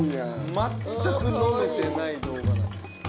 全く飲めてない動画なんです。